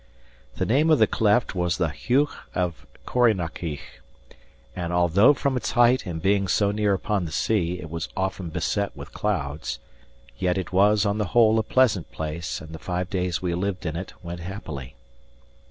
The name of the cleft was the Heugh of Corrynakiegh; and although from its height and being so near upon the sea, it was often beset with clouds, yet it was on the whole a pleasant place, and the five days we lived in it went happily.